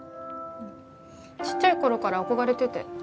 うんちっちゃい頃から憧れてて。